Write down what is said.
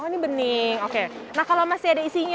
oh ini bening oke nah kalau masih ada isinya